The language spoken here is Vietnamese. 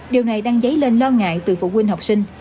điều này đang dấy lên lo ngại từ phụ huynh học sinh